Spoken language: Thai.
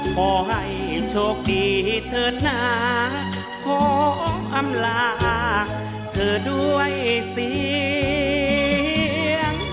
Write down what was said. ขอให้โชคดีเถิดหนาขออำลาเธอด้วยเสียง